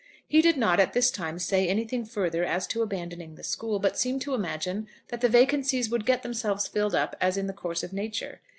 He did not at this time say anything further as to abandoning the school, but seemed to imagine that the vacancies would get themselves filled up as in the course of nature.